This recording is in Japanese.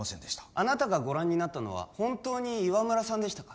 あなたがご覧になったのは本当に岩村さんでしたか？